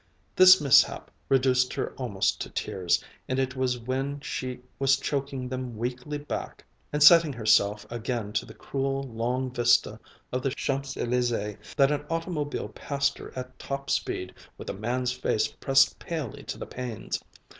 This mishap reduced her almost to tears, and it was when she was choking them weakly back and setting herself again to the cruel long vista of the Champs Elysées that an automobile passed her at top speed with a man's face pressed palely to the panes.